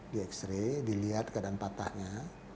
di x ray dilihat keadaan patahnya